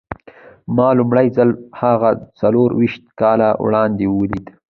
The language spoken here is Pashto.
ما لومړی ځل هغه څلور ويشت کاله وړاندې وليد.